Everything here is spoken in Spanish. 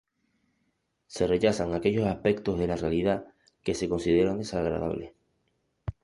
Se rechazan aquellos aspectos de la realidad que se consideran desagradables.